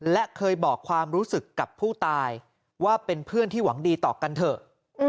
และเคยบอกความรู้สึกกับผู้ตายว่าเป็นเพื่อนที่หวังดีต่อกันเถอะ